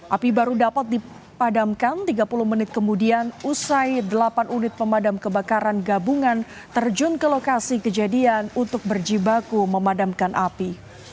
api baru dapat dipadamkan tiga puluh menit kemudian usai delapan unit pemadam kebakaran gabungan terjun ke lokasi kejadian untuk berjibaku memadamkan api